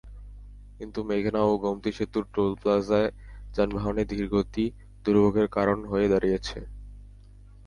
কিন্তু মেঘনা ও গোমতী সেতুর টোলপ্লাজায় যানবাহনের ধীরগতি দুর্ভোগের কারণ হয়ে দাঁড়িয়েছে।